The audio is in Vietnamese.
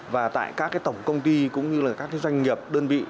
và tại các tổng công ty cũng như là các doanh nghiệp đơn vị